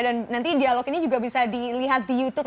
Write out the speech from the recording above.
dan dialog ini juga bisa dilihat di youtube